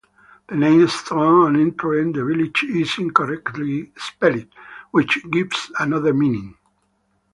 The name stone on entering the village is incorrectly spelled which gives another meaning.